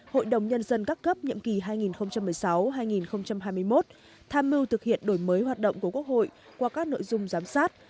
hội đồng nhân dân các cấp nhiệm kỳ hai nghìn một mươi sáu hai nghìn hai mươi một tham mưu thực hiện đổi mới hoạt động của quốc hội qua các nội dung giám sát